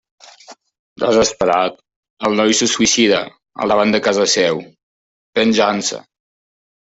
Desesperat, el noi se suïcidà al davant de casa seua, penjant-se.